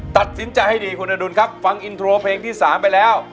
ตัดสินใจให้ดีคุณอดุลครับฟังอินโทรเพลงที่๓ไปแล้ว